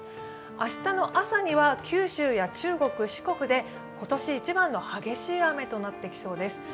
明日の朝には九州や中国、四国で今年一番の激しい雨となってきそうです。